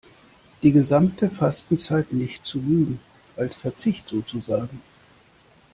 Die gesamte Fastenzeit nicht zu Lügen, als Verzicht sozusagen.